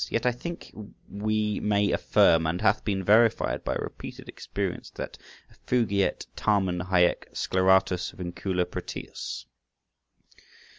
Yet I think we may affirm, and it hath been verified by repeated experience, that— "Effugiet tamen hæc sceleratus vincula Proteus."